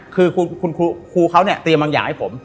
คือครูเขาเตรียมบางอย่างให้ผม